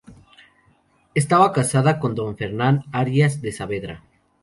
Estaba casada con don Fernán Arias de Saavedra.